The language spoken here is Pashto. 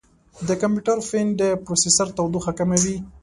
د کمپیوټر فین د پروسیسر تودوخه کموي.